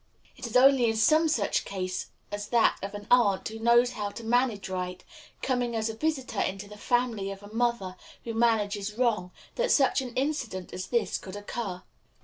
It is only in some such case as that of an aunt who knows how to manage right, coming as a visitor into the family of a mother who manages wrong, that such an incident as this could occur.